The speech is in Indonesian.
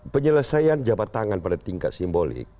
penyelesaian jabat tangan pada tingkat simbolik